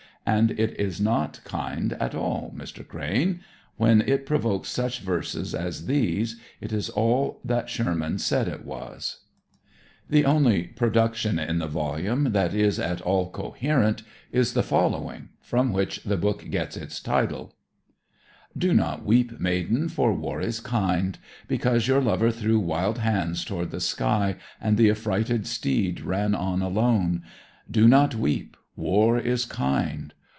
And it is not kind at all, Mr. Crane; when it provokes such verses as these, it is all that Sherman said it was. The only production in the volume that is at all coherent is the following, from which the book gets its title: Do not weep, maiden, for war is kind, Because your lover threw wild hands toward the sky, And the affrighted steed ran on alone. Do not weep, War is kind.